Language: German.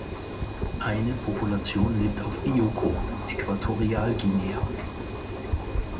Eine Population lebt auf Bioko (Äquatorialguinea).